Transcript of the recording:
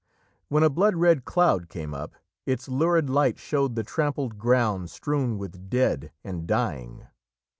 When a blood red cloud came up, its lurid light showed the trampled ground strewn with dead and dying.